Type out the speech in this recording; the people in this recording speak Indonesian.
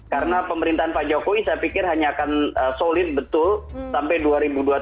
karena pemerintahan pak jokowi saya pikir hanya akan solid betul sampai dua ribu dua puluh tiga